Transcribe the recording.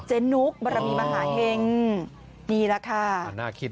เจนนุกบรมีมหาเฮงนี่แหละค่ะ